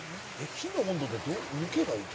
「火の温度ってどう抜けばいいの？」